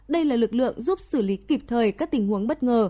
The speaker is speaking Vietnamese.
đây là lực lượng giúp xử lý kịp thời các tình huống bất ngờ